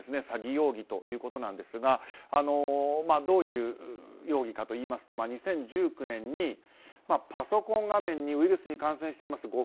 詐欺容疑ということなんですがどういう容疑かといいますと２０１９年にパソコン画面にウイルスに感染しています